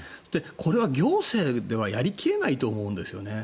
これは行政ではやり切れないと思うんですよね。